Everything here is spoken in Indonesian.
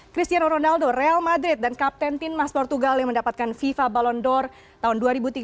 cristiano ronaldo real madrid dan kapten timas portugal yang mendapatkan fifa ballon d'or tahun dua ribu tiga belas dua ribu empat belas